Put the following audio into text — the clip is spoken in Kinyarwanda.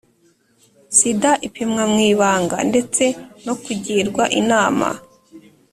sida ipimwa mu ibanga ndetse no kugirwa inama,